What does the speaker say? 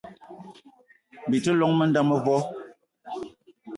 Bi te llong m'nda mevo